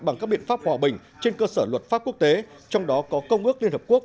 bằng các biện pháp hòa bình trên cơ sở luật pháp quốc tế trong đó có công ước liên hợp quốc